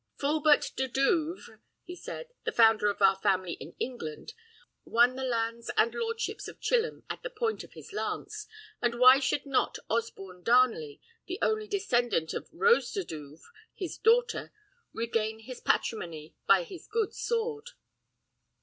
"Fulbert de Douvres," he said, "the founder of our family in England, won the lands and lordships of Chilham at the point of his lance, and why should not Osborne Darnley, the only descendant of Rose de Douvres, his daughter, regain his patrimony by his good sword?"